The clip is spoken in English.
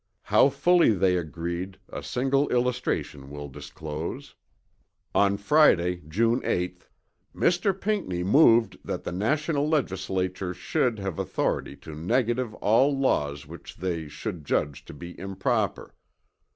How fully they agreed a single illustration will disclose. On Friday, June 8th, "Mr. Pinckney moved 'that the National Legislature shd. have authority to negative all laws which they shd. judge to be improper.'